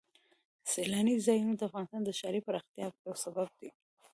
سیلاني ځایونه د افغانستان د ښاري پراختیا یو سبب دی.